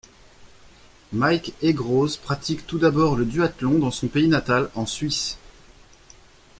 Mike Aigroz pratique tout d'abord le duathlon dans son pays natal en Suisse.